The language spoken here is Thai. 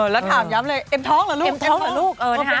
แล้วถามย้ำเลยเอ็มท้องเหรอลูก